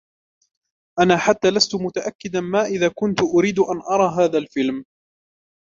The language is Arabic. أنا حتى لستُ متأكداً ما إذا كُنتُ أريد أن أرى هذا الفيلم.